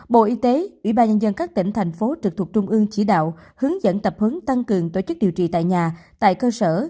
bộ y tế ủy ban nhân dân các tỉnh thành phố trực thuộc trung ương chỉ đạo hướng dẫn tập hướng tăng cường tổ chức điều trị tại nhà tại cơ sở